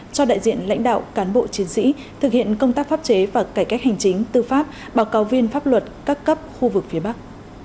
cho đại diện lãnh đạo cán bộ chiến sĩ thực hiện công tác pháp chế và cải cách hành chính tư pháp báo cáo viên pháp luật các cấp khu vực phía bắc